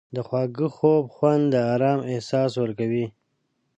د خواږه خوب خوند د آرام احساس ورکوي.